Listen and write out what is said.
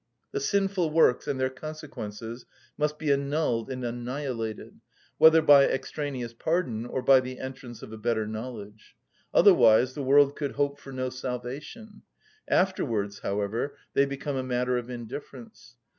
The sinful works and their consequences must be annulled and annihilated, whether by extraneous pardon or by the entrance of a better knowledge; otherwise the world could hope for no salvation; afterwards, however, they become a matter of indifference.